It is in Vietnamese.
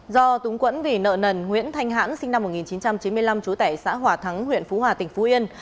do túng quẫn vì nợ nần nguyễn thanh hãn sinh năm một nghìn chín trăm chín mươi năm trú tẩy xã hòa thắng huyện phú hòa tỉnh phú yên